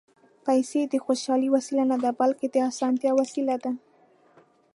پېسې د خوشالۍ وسیله نه ده، بلکې د اسانتیا وسیله ده.